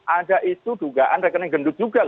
ada itu dugaan rekening gendut juga